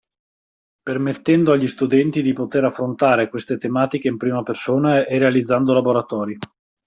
Permettendo agli studenti di poter affrontare queste tematiche in prima persona e realizzando laboratori.